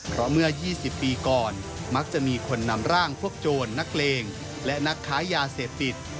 เพราะเมื่อ๒๐ปีก่อนมักจะมีคนนำร่างพวกโจรนักเลงและนักค้ายาเสพติด